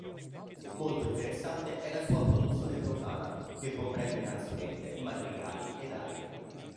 Molto interessante è la sua produzione profana che comprende canzonette, madrigali ed arie.